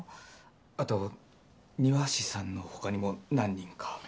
後庭師さんの他にも何人か。